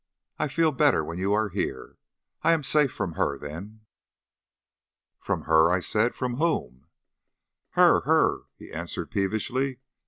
"I feel better when you are here. I am safe from her then." "From her!" I said. "From whom?" "Her! her!" he answered peevishly.